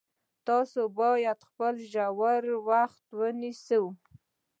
تاسو باید خپلې روژې په وخت ونیسئ